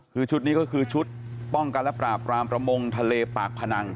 คือชุดนี้ก็คือชุดป้องกันและปราบรามประมงทะเลปากพนัง